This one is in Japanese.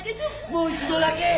もう一度だけ。